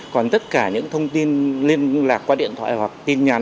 còn tất cả những thông tin liên lạc qua điện thoại hoặc tin nhắn